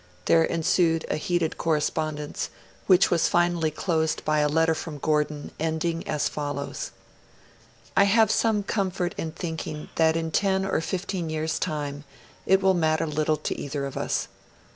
There ensued a heated correspondence, which was finally closed by a letter from Gordon, ending as follows: 'I have some comfort in thinking that in ten or fifteen years' time it will matter little to either of us.